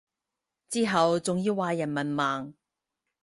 之後仲要話人文盲